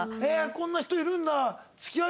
こんな人いるんだ」。